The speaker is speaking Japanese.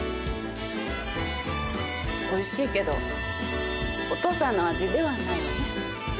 おいしいけどお父さんの味ではないわね。